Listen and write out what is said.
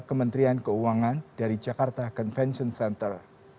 kementerian keuangan dari jakarta convention center